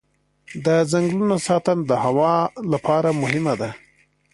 د ځنګلونو ساتنه د هوا لپاره مهمه ده.